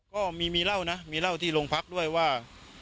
ก็มีเหล้านะมีเหล้าที่โรงพักด้วยว่า